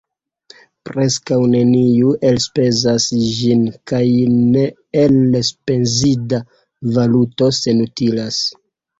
Preskaŭ neniu elspezas ĝin, kaj neelspezinda valuto senutilas.